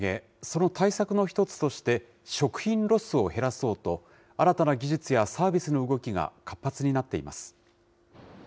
その対策の１つとして、食品ロスを減らそうと、新たな技術やサービスの動きが活発になっています。